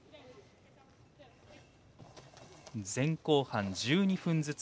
前後半１２分ずつ。